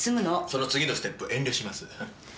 その次のステップ遠慮します。